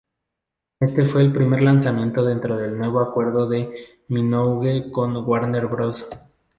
Este fue el primer lanzamiento dentro del nuevo acuerdo de Minogue con Warner Bros.